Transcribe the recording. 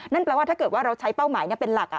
นั่นแปลว่าถ้าเกิดว่าเราใช้เป้าหมายเป็นหลัก